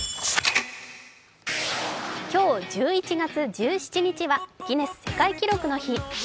今日１１月１７日は世界ギネス記録の日。